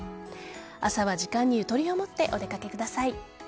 朝は時間にゆとりを持ってお出かけください。